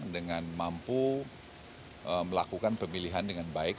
dengan mampu melakukan pemilihan dengan baik